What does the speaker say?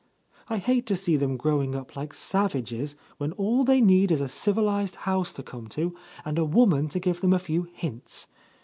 I hate to see them grow ing up like savages, when all they need is a civil ized house to come to, and a woman to give them a few hints.